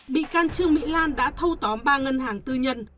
bị can trương mỹ lan đã thâu tóm ba ngân hàng tư nhân